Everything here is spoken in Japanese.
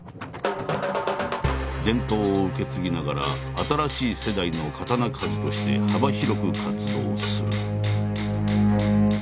伝統を受け継ぎながら新しい世代の刀鍛冶として幅広く活動する。